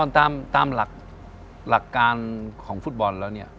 ตามหลักการของฟุตบอลแล้วเนี่ย